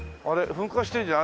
噴火してんじゃない？